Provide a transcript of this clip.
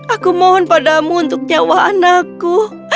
aku mohon padamu untuk nyawa anakku